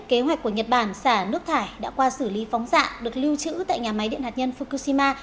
kế hoạch của nhật bản xả nước thải đã qua xử lý phóng xạ được lưu trữ tại nhà máy điện hạt nhân fukushima